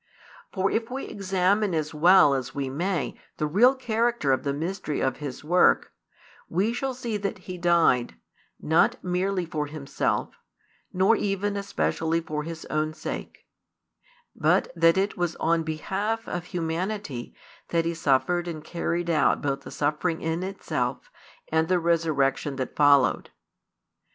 For if we examine as well as we may the real character of the mystery of His work, we shall see that He died, not merely for Himself, nor even especially for His own sake; but that it was on behalf of humanity that He suffered and carried out both the suffering in itself and the resurrection that followed.